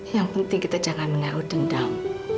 yang penting kita jangan menaruh dendam